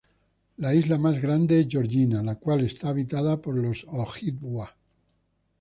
La isla más grande es Georgina la cual es habitada por los Ojibwa.